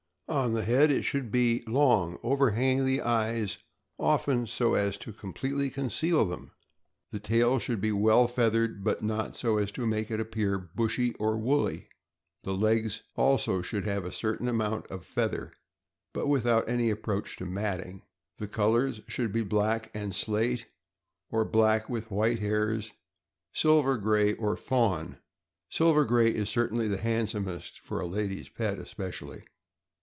On the head, it should be long, overhanging the eyes, often so as to com pletely conceal them. The tail should be well feathered, but not so as to make it appear bushy or woolly. The legs also should have a certain amount of feather, but without any approach to matting. The colors should be black and slate, or black with white hairs, silver gray, or fawn. Silver gray is certainly the handsomest — for a lady's pet, especially.